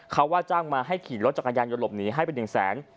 เขาว่าจ้างมาให้ขี่รถจักรยานยนต์หลบหนีให้ไปหนึ่งแสน